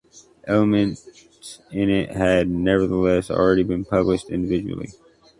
Elements in it had nevertheless already been published individually.